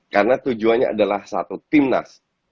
karena tujuannya adalah satu timnas